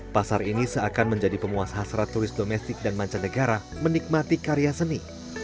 pasar ini seakan menjadi pemuas hasrat turis domestik dan mancanegara menikmati karya seni